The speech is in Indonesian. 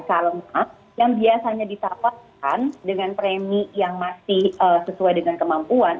kalau mbak yang biasanya disawarkan dengan premi yang masih sesuai dengan kemampuan